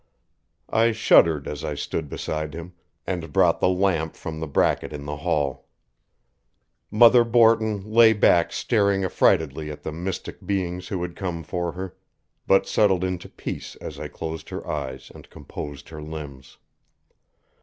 I shuddered as I stood beside him, and brought the lamp from the bracket in the hall. Mother Borton lay back staring affrightedly at the mystic beings who had come for her, but settled into peace as I closed her eyes and composed her limbs.